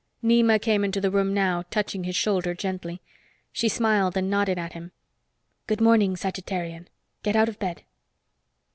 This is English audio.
Nema came into the room now, touching his shoulder gently. She smiled and nodded at him. "Good morning, Sagittarian. Get out of bed."